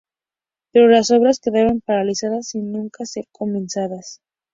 Pero las obras quedaron paralizadas sin nunca ser comenzadas.